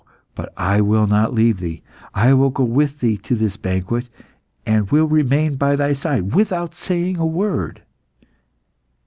But I will not leave thee. I will go with thee to this banquet, and will remain by thy side without saying a word."